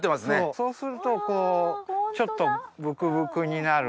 そうするとこうちょっとブクブクになるんで。